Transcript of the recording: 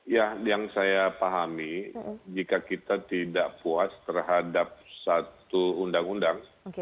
ya yang saya pahami jika kita tidak puas terhadap satu undang undang